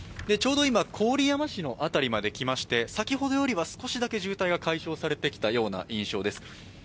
ちょうど今郡山市のあたりまできまして、先ほどよりは少しだけ渋滞が解消されてきたような印象です。